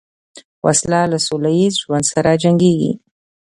وسله له سولهییز ژوند سره جنګیږي